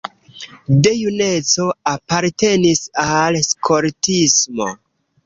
De juneco apartenis al skoltismo.